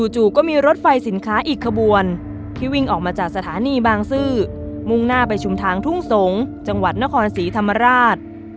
จู่ก็มีรถไฟสินค้าอีกขบวนที่วิ่งออกมาจากสถานีบางซื่อมุ่งหน้าไปชุมทางทุ่งสงศ์จังหวัดนครศรีธรรมราช